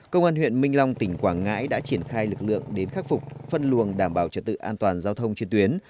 công an huyện minh long tỉnh quảng ngãi đã triển khai lực lượng đến khắc phục phân luồng đảm bảo trật tự an toàn giao thông trên tuyến